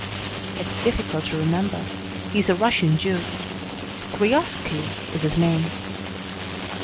"It's difficult to remember. He's a Russian Jew. Schrioski, is his name."